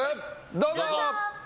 どうぞ。